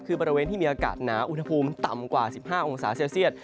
คือบริเวณที่มีอากาศหนาอุณหภูมิต่ำกว่า๑๕องศาเซลเซียต